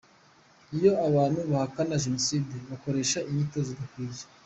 Iyo abantu bahakana Jenoside, bakoresha inyito zidakwiye.